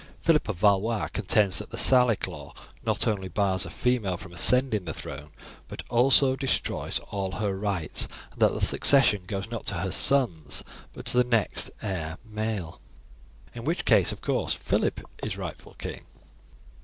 Phillip of Valois contends that the 'Salic law' not only bars a female from ascending the throne, but also destroys all her rights, and that the succession goes not to her sons but to the next heir male; in which case, of course, Phillip is rightful king.